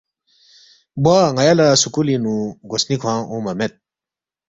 بوا ن٘یا لہ سکُولِنگ نُو گو سنی کھوانگ اونگما مید